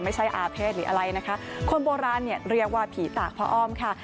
อาเภษหรืออะไรนะคะคนโบราณเนี่ยเรียกว่าผีตากพระอ้อมค่ะ